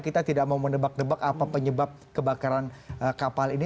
kita tidak mau menebak nebak apa penyebab kebakaran kapal ini